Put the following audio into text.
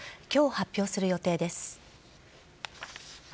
今日発表する予定です。